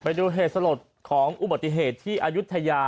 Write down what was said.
ไปดูเหตุสลดของอุบัติเหตุที่อายุทยา